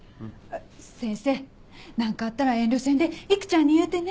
先生何かあったら遠慮せんで育ちゃんに言うてね。